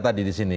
tadi di sini